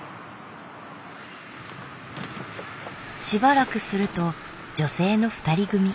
しばらくすると女性の２人組。